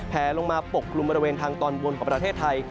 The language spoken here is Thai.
แผลลงมาปกกลุ่มบริเวณทางตอนบนของประเทศไทย